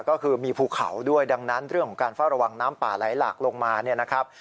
ก็คือมีภูเขาด้วยดังนั้นเรื่องของการเฝ้าระวังน้ำป่าไหลหลากลงมาเนี่ยนะครับ